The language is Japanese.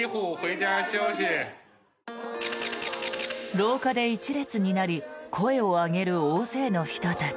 廊下で１列になり声を上げる大勢の人たち。